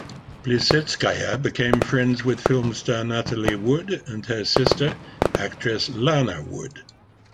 Plisetskaya became friends with film star Natalie Wood and her sister, actress Lana Wood.